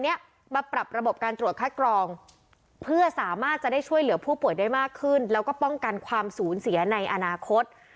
เนี้ยมาปรับระบบการตรวจคัดกรองเพื่อสามารถจะได้ช่วยเหลือผู้ป่วยได้มากขึ้นแล้วก็ป้องกันความสูญเสียในอนาคต